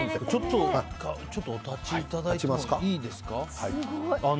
ちょっとお立ちいただいてもいいですか。